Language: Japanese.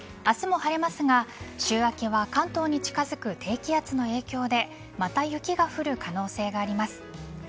明日も晴れますが週明けは関東に近づく低気圧の影響でまた雪が降る可能性があります。